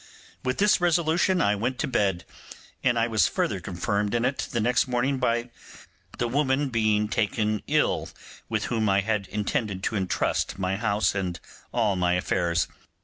With this resolution I went to bed; and I was further confirmed in it the next day by the woman being taken ill with whom I had intended to entrust my house and all my affairs.